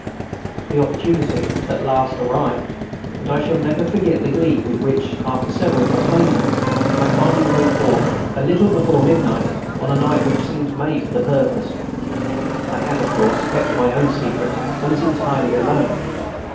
The opportunity at last arrived, and I shall never forget the glee with which, after several postponements, I finally rode forth, a little before midnight, on a night which seemed made for the purpose. I had, of course, kept my own secret, and was entirely alone.